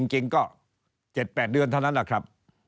จริงก็๗๘เดือนเท่านั้นแหละครับ